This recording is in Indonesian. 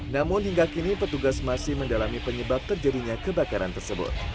namun hingga kini petugas masih mendalami penyebab terjadinya kebakaran tersebut